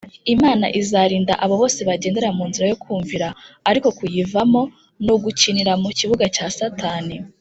. Imana izarinda abo bose bagendera mu nzira yo kumvira; ariko kuyivamo ni ugukinira mu kibuga cya Satani.